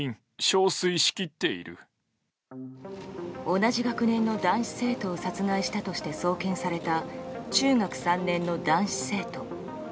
同じ学年の男子生徒を殺害したとして送検された中学３年の男子生徒。